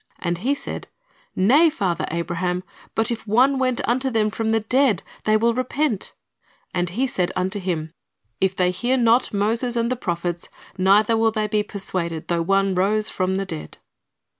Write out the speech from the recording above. And he said. Nay, father Abraham; but if one went unto them from the dead, they will repent. And he said unto him, If they hear not Moses and the prophets, neither will they be persuaded though one rose from the dead."